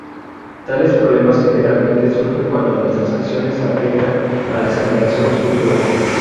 Tales problemas generalmente surgen cuando nuestras acciones afectan a las generaciones futuras.